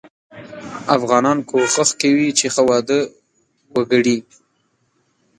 افغانان کوښښ کوي چې ښه واده وګړي.